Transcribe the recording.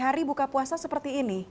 hari buka puasa seperti ini